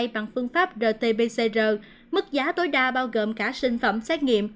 bằng phương pháp rt pcr mức giá tối đa bao gồm cả sinh phẩm xét nghiệm